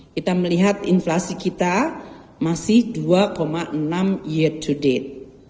kita melihat inflasi kita masih dua enam year to date